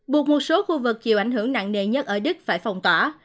buộc một số khu vực chịu ảnh hưởng nặng nề nhất ở đức phải phòng tỏa